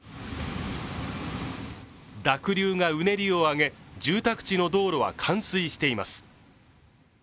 濁流がうねりを上げ住宅地の道路は冠水しています。